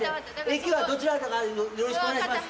駅はどちらだかよろしくお願いします。